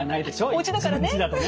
おうちだからね。